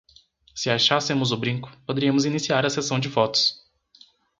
Se achássemos o brinco, poderíamos iniciar a sessão de fotos.